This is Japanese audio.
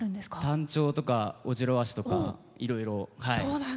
タンチョウとかオジロワシとかいろいろ。